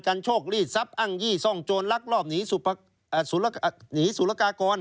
โชคลีดทรัพย์อ้างยี่ซ่องโจรลักลอบหนีสุรกากร